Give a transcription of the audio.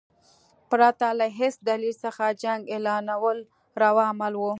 پرته له هیڅ دلیل څخه جنګ اعلانول روا عمل وو.